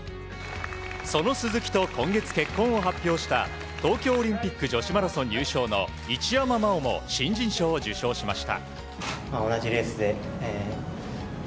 その鈴木と今月結婚を発表した東京オリンピック女子マラソン入賞の一山麻緒も新人賞を受賞しました。